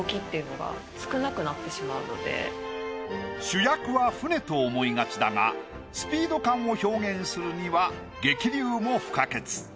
主役は船と思いがちだがスピード感を表現するには激流も不可欠。